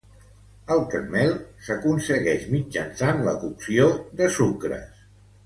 El caramel s'aconseguix mitjançant la cocció de sucres.